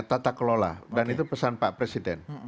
tata kelola dan itu pesan pak presiden